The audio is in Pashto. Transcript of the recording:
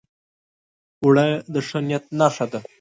اوړه د ښه نیت نښه ده